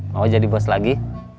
mau jadi bos lagi